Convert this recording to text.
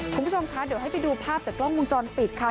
คุณผู้ชมคะเดี๋ยวให้ไปดูภาพจากกล้องวงจรปิดค่ะ